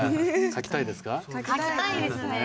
書きたいですね。